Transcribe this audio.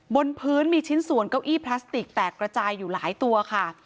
บนพื้นมีชิ้นส่วนเก้าอี้พลาสติกแตกระจายอยู่หลายตัวค่ะ